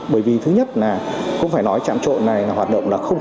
bởi vì thứ nhất là cũng phải nói chạm trộn này là hoạt động là không